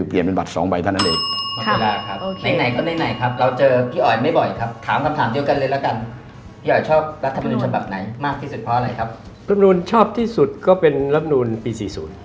ล้ำนูนชอบที่สุดก็เป็นล้ำนูนปี๔๐